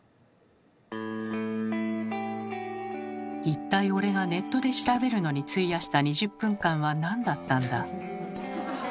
一体俺がネットで調べるのに費やした２０分間はなんだったんだ。